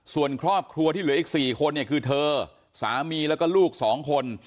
ส่วนครอบครัวที่เหลืออีก๔คนเนี่ยคือเธอสามีแล้วก็ลูก๒คน